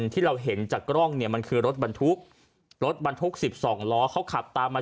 ที่เราเห็นจากกล้องเนี่ยมันคือรถบรรทุกรถบรรทุก๑๒ล้อเขาขับตามมา